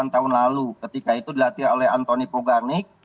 lima puluh delapan tahun lalu ketika itu dilatih oleh anthony poganik